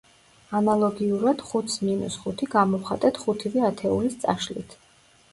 ანალოგიურად, ხუთს მინუს ხუთი გამოვხატეთ ხუთივე ათეულის წაშლით.